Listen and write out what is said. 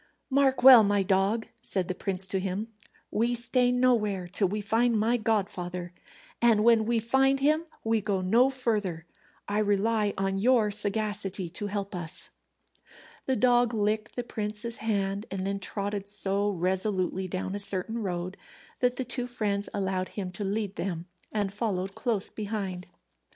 "Mark well, my dog," said the prince to him, "we stay nowhere till we find my godfather, and when we find him we go no further. I rely on your sagacity to help us." The dog licked the prince's hand, and then trotted so resolutely down a certain road that the two friends allowed him to lead them and followed close behind.